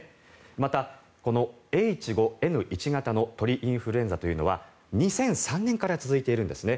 また、このＨ５Ｎ１型の鳥インフルエンザというのは２００３年から続いているんですね。